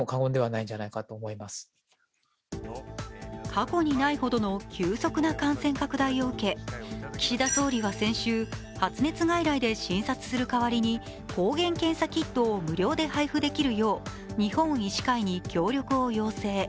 過去にないほどの急速な感染拡大を受け岸田総理は先週、発熱外来で診察するかわりに抗原検査キットを無料で配布できるよう日本医師会に協力を要請。